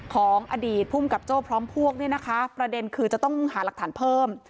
ของอดีตภูมิกับโจ้พร้อมพวกเนี่ยนะคะประเด็นคือจะต้องหาหลักฐานเพิ่ม